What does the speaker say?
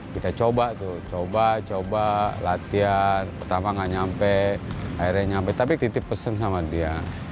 kita coba tuh coba coba latihan pertama gak nyampe akhirnya nyampe tapi titip pesen sama dia